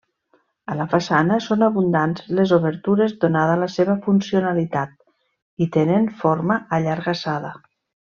A la façana són abundants les obertures donada la seva funcionalitat i tenen forma allargassada.